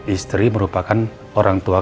istri merupakan orang tua